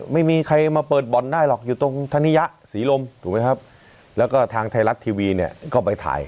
ไม่มีใครมาเปิดบ่อนได้หรอกอยู่ตรงธนิยะศรีลมถูกไหมครับแล้วก็ทางไทยรัฐทีวีเนี่ยก็ไปถ่าย